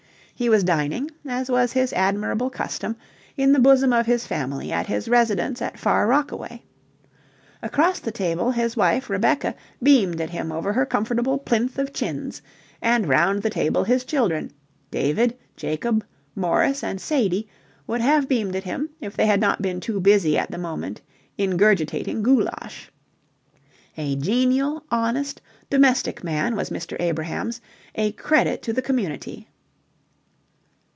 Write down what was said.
He was dining, as was his admirable custom, in the bosom of his family at his residence at Far Rockaway. Across the table, his wife, Rebecca, beamed at him over her comfortable plinth of chins, and round the table his children, David, Jacob, Morris and Saide, would have beamed at him if they had not been too busy at the moment ingurgitating goulash. A genial, honest, domestic man was Mr. Abrahams, a credit to the community.